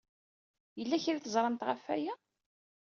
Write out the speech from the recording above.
Yella kra ay teẓramt ɣef waya?